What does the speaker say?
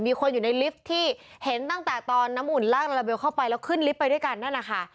มีคนอยู่ในลิฟท์ที่เห็นตั้งแต่ตอนน้ำอุ่นลากลาลาเบลเข้าไปแล้วขึ้นลิฟต์ไปด้วยกันนั่นนะคะ